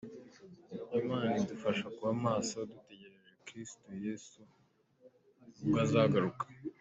Imana idufashe kuba maso dutegereje Kristo Yesu ubwo azagaruka.